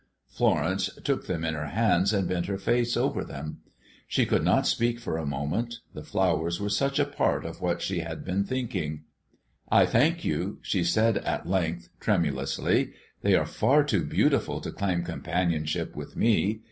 Florence took them in her hands and bent her face over them. She could not speak for a moment, the flowers were such a part of what she had been thinking. "I thank you," she said at length, tremulously. "They are far too beautiful to claim companionship with me.